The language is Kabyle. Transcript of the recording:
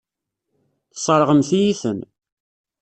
Tesseṛɣemt-iyi-ten.